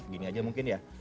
gini aja mungkin ya